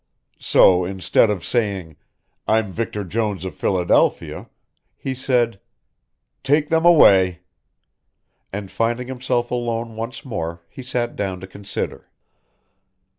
So instead of saying: "I'm Victor Jones of Philadelphia," he said: "Take them away," and finding himself alone once more he sat down to consider.